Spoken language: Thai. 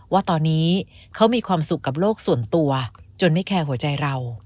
ว่าตอนนี้เขามีความสุขกับโลกส่วนตัวจนไม่แคร์หัวใจเรา